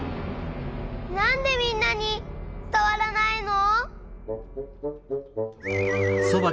なんでみんなにつたわらないの！？